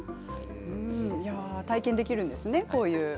体験できるんですね。